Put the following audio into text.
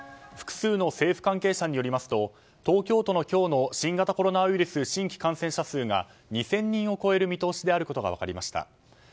複数の政府関係者によりますと東京都の今日の新型コロナウイルス新規感染者数が２０００人を超える見通しであることが分かりました。